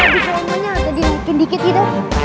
di kolamnya tadi dikit dikit gitu